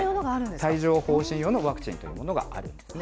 帯状ほう疹用のワクチンというのがあるんですね。